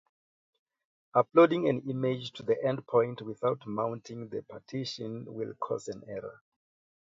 Uploading an image to the endpoint without mounting the partition will cause an error